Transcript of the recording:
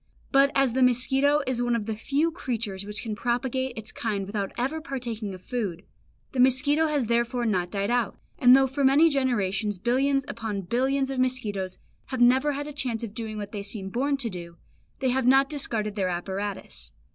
But as the mosquito is one of the few creatures which can propagate its kind without ever partaking of food, the mosquito has therefore not died out; and though for many generations billions upon billions of mosquitoes have never had a chance of doing what they seem born to do, they have not discarded their apparatus.